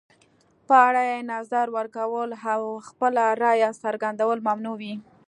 په اړه یې نظر ورکول او خپله رایه څرګندول ممنوع وي.